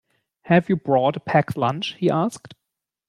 Have you brought a packed lunch? he asked